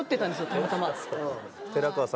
たまたま。